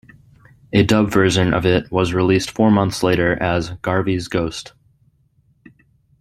A dub version of it was released four months later as "Garvey's Ghost".